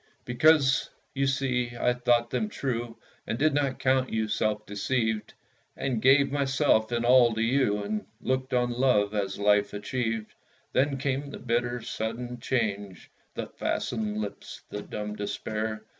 Because, you see, I thought them true, And did not count you self deceived, And gave myself in all to you, And looked on Love as Life achieved. Then came the bitter, sudden change, The fastened lips, the dumb despair.